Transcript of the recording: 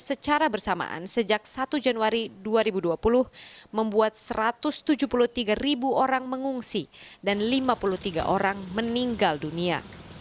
secara bersamaan sejak satu januari dua ribu dua puluh membuat satu ratus tujuh puluh tiga ribu orang mengungsi dan lima puluh tiga orang meninggal dunia